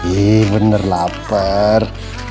ih bener lapar